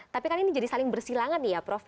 tapi kan ini jadi saling bersilangan nih ya prof